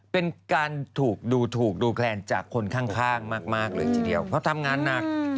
เป็นการถูกดูถูกดูแคลนจากคนข้างมากเลยทีเดียวเพราะทำงานหนัก